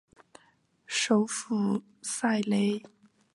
首府塞雷。